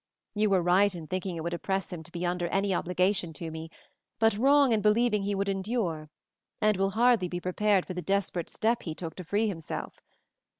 You were right in thinking it would oppress him to be under any obligation to me, but wrong in believing he would endure, and will hardly be prepared for the desperate step he took to free himself.